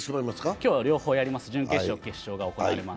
今日は両方です、準決勝、決勝が行われます。